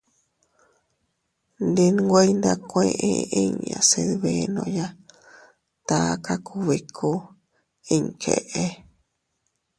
Ndi nweiyndakueʼe inña se dbenoya taka kubikuu iña keʼe.